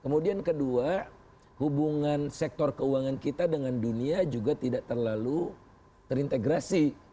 kemudian kedua hubungan sektor keuangan kita dengan dunia juga tidak terlalu terintegrasi